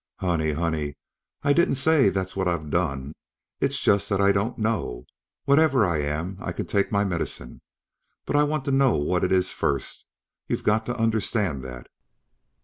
"Honey, honey! I didn't say that's what I've done. It's just that I don't know. Whatever I am, I can take my medicine, but I want to know what it is first. You've got to understand that."